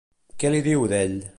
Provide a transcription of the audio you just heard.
Què li diu d'ell?